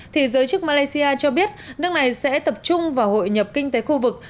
thì giới chức malaysia cho biết nước này sẽ tập trung vào hội nhập kinh tế khu vực